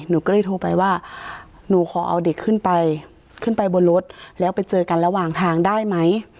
หนูก็เลยโทรไปว่าหนูขอเอาเด็กขึ้นไปขึ้นไปบนรถแล้วไปเจอกันระหว่างทางได้ไหม